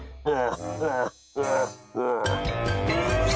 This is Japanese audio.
ああ。